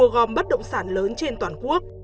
gom bất động sản lớn trên toàn quốc